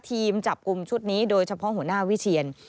ทีมจับกลุ่มชุดนี้โดยเฉพาะหัวหน้าวิเชียน